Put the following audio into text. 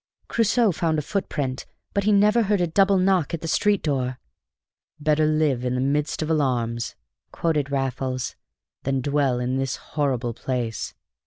Crusoe found a footprint, but he never heard a double knock at the street door!" "'Better live in the midst of alarms,'" quoted Raffles, "'than dwell in this horrible place.'